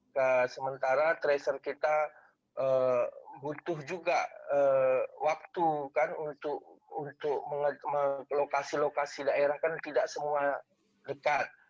nah sementara tracer kita butuh juga waktu kan untuk lokasi lokasi daerah kan tidak semua dekat